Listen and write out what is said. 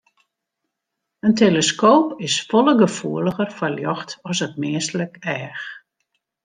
In teleskoop is folle gefoeliger foar ljocht as it minsklik each.